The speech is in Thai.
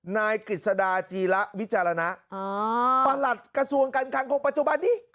กฤษฎาจีระวิจารณะประหลัดกระทรวงการคังของปัจจุบันนี้